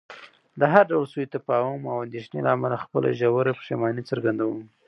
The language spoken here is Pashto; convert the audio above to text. د هر ډول سوء تفاهم او اندېښنې له امله خپله ژوره پښیماني څرګندوم.